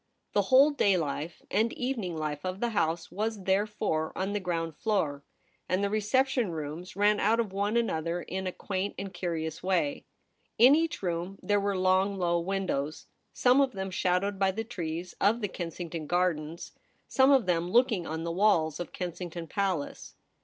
The whole day life and evening life of the house was therefore on the ground floor ; and the reception rooms ran out of one another in a quaint and curious way. In each room there were long low windows, some of them shadowed by the trees of the Kensington Gardens ; some of them looking on the walls of Kensington Palace.